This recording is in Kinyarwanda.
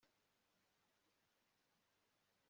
ntituzasangire umugisha